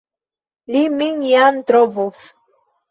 Mi lin jam trovos!